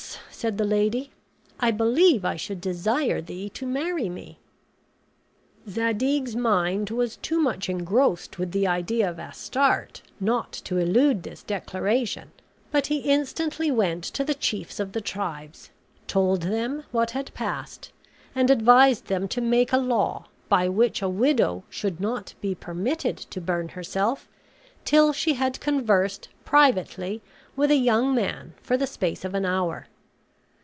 said the lady, "I believe I should desire thee to marry me." Zadig's mind was too much engrossed with the idea of Astarte not to elude this declaration; but he instantly went to the chiefs of the tribes, told them what had passed, and advised them to make a law, by which a widow should not be permitted to burn herself till she had conversed privately with a young man for the space of an hour.